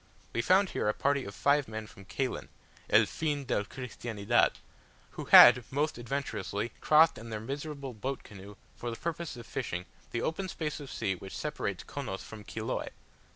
We found here a party of five men from Caylen, "el fin del Cristiandad," who had most adventurously crossed in their miserable boat canoe, for the purpose of fishing, the open space of sea which separates Chonos from Chiloe.